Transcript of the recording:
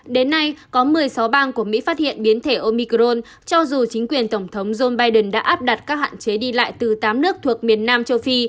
đến nay có một mươi sáu bang của mỹ phát hiện biến thể omicron cho dù chính quyền tổng thống joe biden đã áp đặt các hạn chế đi lại từ tám nước thuộc miền nam châu phi